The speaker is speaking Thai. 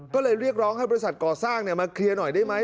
ก็เลยเรียกร้องให้บริษัทก่อสร้างมาเคลียร์หน่อยได้ไหม